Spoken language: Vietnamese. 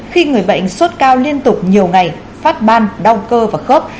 khi người bệnh sốt cao liên tục nhiều ngày phát ban đau cơ và khớp